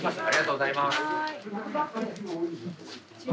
ありがとうございます。